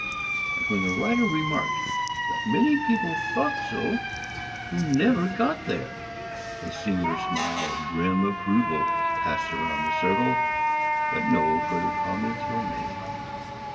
And when the writer remarked that many people thought so who never got there, a singular smile of grim approval passed round the circle, but no further comments were made.